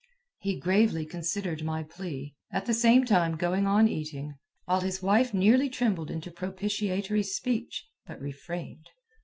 He gravely considered my plea, at the same time going on eating, while his wife nearly trembled into propitiatory speech, but refrained.